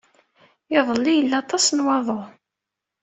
Iḍelli yella aṭas n waḍu.